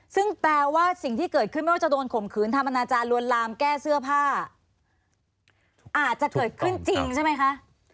ซึ่งแปลว่าสิ่งที่เกิดขึ้นไม่ว่าจะโดนข่มขืนทำอนาจารย์ลวนลามแก้เสื้อผ้าอาจจะเกิดขึ้นจริงใช่ไหมคะ